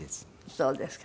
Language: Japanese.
そうですか。